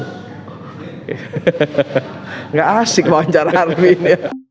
tidak asik wawancara arvin ya